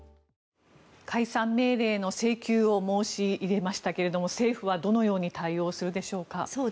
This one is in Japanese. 解散命令の請求を申し入れましたが政府はどのように対応するでしょうか。